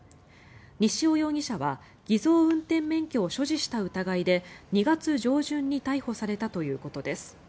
西尾容疑者は偽造運転免許を所持した疑いで２月上旬に逮捕されたということです。